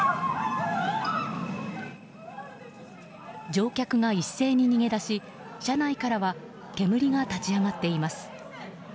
乗客が一斉に逃げ出し車内からは煙が立ち上がっています。